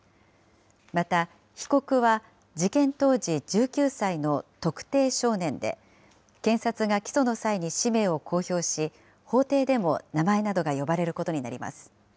また、被告は事件当時１９歳の特定少年で、検察が起訴の際に氏名を公表し、法廷でも名前などが呼ばれることになります。